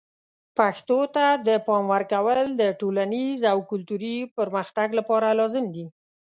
پښتو ته د پام ورکول د ټولنیز او کلتوري پرمختګ لپاره لازم دي.